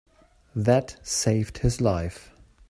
That saved his life.